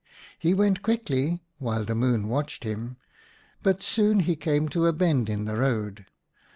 He went quickly while the Moon watched him, but soon he came to a bend in the road.